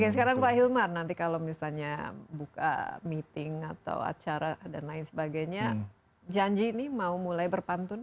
sekarang pak hilman nanti kalau misalnya buka meeting atau acara dan lain sebagainya janji ini mau mulai berpantun